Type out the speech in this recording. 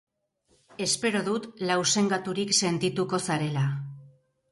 Espero dut lausengaturik sentituko zarela.